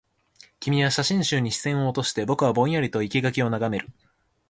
君は写真集に視線を落として、僕はぼんやりと生垣を眺める